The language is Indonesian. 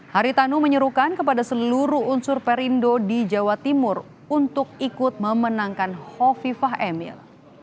haritanu menyerukan kepada seluruh unsur perindo di jawa timur untuk ikut memenangkan hovifah emil